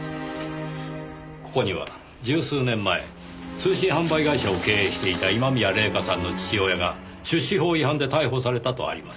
ここには十数年前通信販売会社を経営していた今宮礼夏さんの父親が出資法違反で逮捕されたとあります。